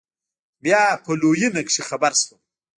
بيا په لوېينه کښې خبر سوم.